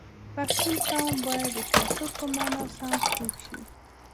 پښتون قوم باید د تعصب په مانا سم پوه شي